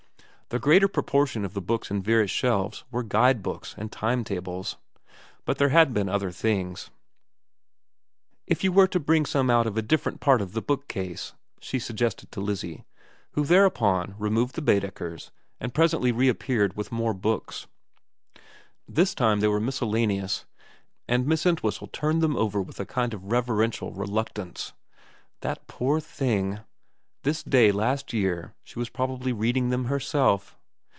The greater proportion of the books in Vera's shelves were guide books and time tables. But there had been other things, ' If you were to bring some out of a different part of the bookcase,' she suggested to Lizzie ; who thereupon removed the Baedekers, and presently reappeared with more books. This time they were miscellaneous, and Miss Ent whistle turned them over with a kind of reverential reluctance. That poor thing ; this day last year she was probably reading them herself.